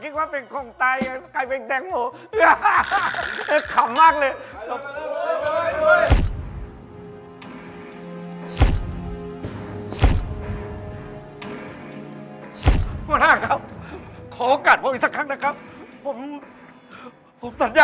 คิดว่าเป็นของตาย